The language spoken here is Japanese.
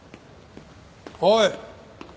おい！